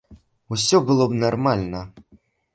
Усё было б нармальна.